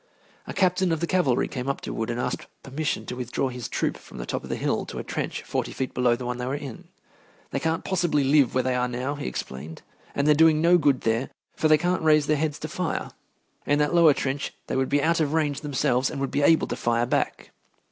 A captain of the cavalry came up to Wood and asked permission to withdraw his troop from the top of the hill to a trench forty feet below the one they were in. "They can't possibly live where they are now," he explained, "and they're doing no good there, for they can't raise their heads to fire. In that lower trench they would be out of range themselves and would be able to fire back."